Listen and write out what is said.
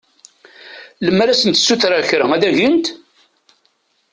Lemmer ad sent-ssutreɣ kra ad agint?